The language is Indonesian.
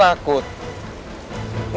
gak akan terjadi kok